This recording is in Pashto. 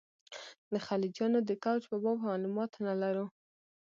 د خلجیانو د کوچ په باب معلومات نه لرو.